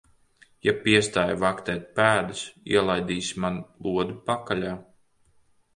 Ja piestāji vaktēt pēdas, ielaidīsi man lodi pakaļā.